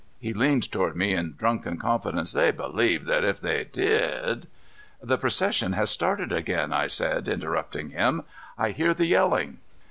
He leaned toward me in drunken confidence. "They believe that if they did " "The procession has started again," I said, interrupting him. "I hear the yelling."